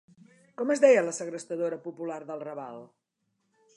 Com es deia la segrestadora popular del Raval?